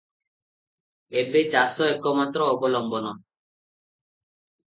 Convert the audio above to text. ଏବେ ଚାଷ ଏକମାତ୍ର ଅବଲମ୍ବନ ।